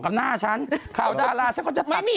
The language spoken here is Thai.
กับหน้าฉันข่าวดาราฉันก็จะตัดเข้าผู้เธอ